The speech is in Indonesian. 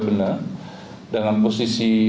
benar dengan posisi